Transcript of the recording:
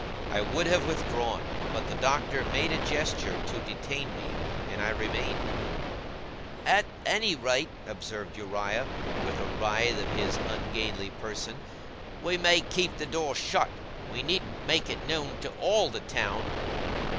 I would have withdrawn, but the Doctor made a gesture to detain me, and I remained. 'At any rate,' observed Uriah, with a writhe of his ungainly person, 'we may keep the door shut. We needn't make it known to ALL the town.